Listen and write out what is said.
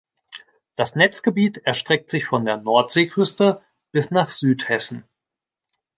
Das Netzgebiet erstreckt sich von der Nordseeküste bis nach Südhessen.